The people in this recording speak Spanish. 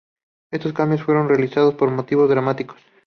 Estos cambios fueron realizados por motivos dramáticos.